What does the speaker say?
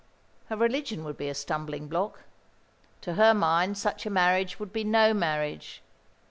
Her religion would be a stumbling block. To her mind such a marriage would be no marriage.